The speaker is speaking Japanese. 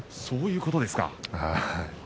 そういうことですか。